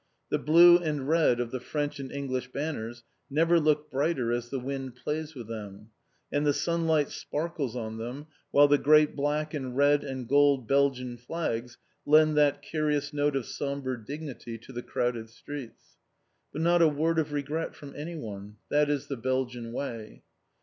The blue and red of the French and English banners never looked brighter as the wind plays with them, and the sunlight sparkles on them, while the great black and red and gold Belgian flags lend that curious note of sombre dignity to the crowded streets. But not a word of regret from anyone. That is the Belgian way.